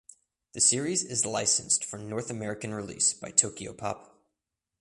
The series is licensed for North American release by Tokyopop.